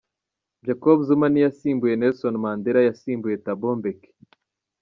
Jacob Zuma ntiyasimbuye Nelson Mandela, yasimbuye Thabo Mbeki.